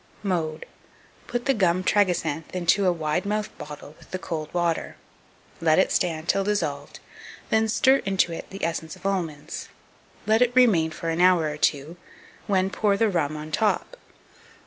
Mode. Put the gum tragacanth into a wide mouthed bottle with the cold water; let it stand till dissolved, then stir into it the essence of almonds; let it remain for an hour or two, when pour the rum on the top.